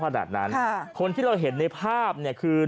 จะไม่ได้คิดว่ามีอะไรต่างกัน